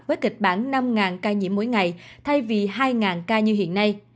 với kịch bản năm ca nhiễm mỗi ngày thay vì hai ca như hiện nay